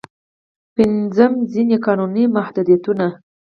پنځم: ځينې قانوني محدودیتونه.